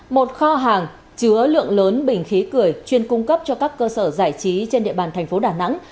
một kho hàng chứa lượng lớn bình khí cười chuyên cung cấp cho các cơ sở giải trí trên địa bàn thành phố đà nẵng